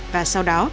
và sau đó